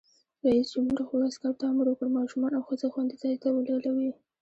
رئیس جمهور خپلو عسکرو ته امر وکړ؛ ماشومان او ښځې خوندي ځای ته ولېلوئ!